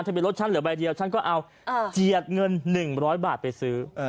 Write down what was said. เบียรถฉันเหลือใบเดียวฉันก็เอาเจียดเงิน๑๐๐บาทไปซื้อ